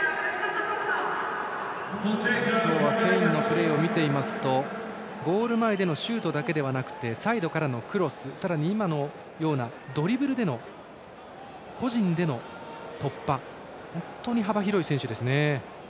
今日はケインのプレーを見ていますとゴール前のシュートだけじゃなくサイドからのクロスさらに、今のようなドリブルでの個人での突破、幅広い選手ですね。